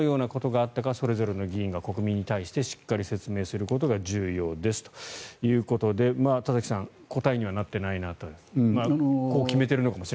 過去どのようなことがあったのかそれぞれの議員が国民に対してしっかり説明することが重要ですということで田崎さん答えにはなっていないなと。